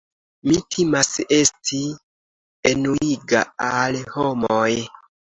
Mi timas esti enuiga al homoj.